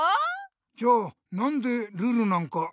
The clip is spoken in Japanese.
じゃあなんでルールなんかあるんだ？